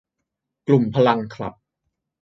กลุ่มพลังคลับ